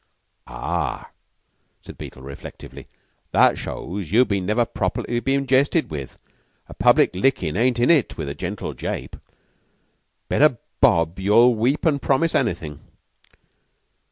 "Ah," said Beetle reflectively, "that shows you've never been properly jested with. A public lickin' ain't in it with a gentle jape. Bet a bob you'll weep an' promise anything."